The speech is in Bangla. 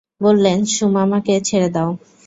বললেন, সুমামাকে ছেড়ে দাও।